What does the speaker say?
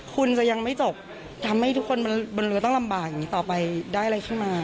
คุณจะยังไม่จบทำให้ทุกคนบนเรือต้องลำบากอย่างนี้ต่อไปได้อะไรขึ้นมา